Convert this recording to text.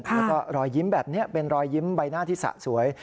แล้วก็รอยยิ้มแบบนี้เป็นรอยยิ้มใบหน้าที่สะสวย